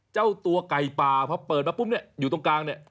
เจ้าตัวไก่ป่าพอเปิดมาปุ๊บเนี่ยอยู่ตรงกลางเนี่ย